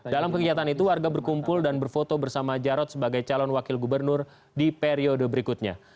dalam kegiatan itu warga berkumpul dan berfoto bersama jarod sebagai calon wakil gubernur di periode berikutnya